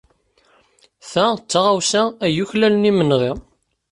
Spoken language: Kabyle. Ta d taɣawsa ay yuklalen imenɣi.